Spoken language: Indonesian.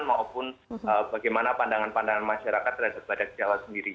maupun bagaimana pandangan pandangan masyarakat terhadap badak jawa sendiri